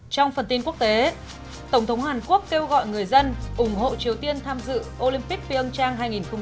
trong phần tin quốc tế tổng thống hàn quốc kêu gọi người dân ủng hộ triều tiên tham dự olympic pyeongchang hai nghìn một mươi tám